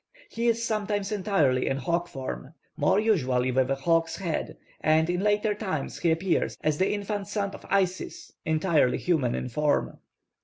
He is sometimes entirely in hawk form; more usually with a hawk's head, and in later times he appears as the infant son of Isis entirely human in form.